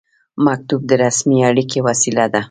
مکتوب د رسمي اړیکې وسیله ده